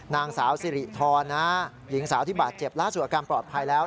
นางสาวสิริธรณหญิงสาวที่บาดเจ็บล่าสุดอาการปลอดภัยแล้ว